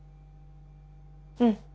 うん